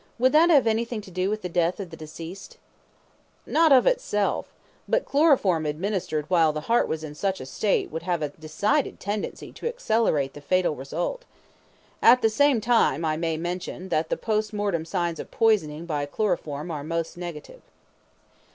Would that have anything to do with the death of deceased? A. Not of itself. But chloroform administered while the heart was in such a state would have a decided tendency to accelerate the fatal result. At the same time, I may mention that the POST MORTEM signs of poisoning by chloroform are mostly negative.